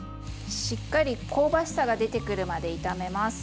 しっかり香ばしさが出てくるまで炒めます。